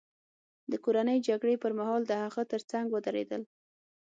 د کورنۍ جګړې پرمهال د هغه ترڅنګ ودرېدل.